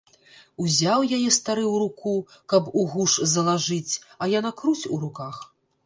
Узяў яе стары ў руку, каб у гуж залажыць, а яна круць у руках.